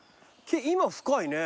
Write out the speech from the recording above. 今深いね。